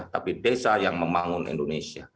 tapi desa yang membangun indonesia